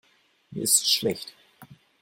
Mir ist schlecht.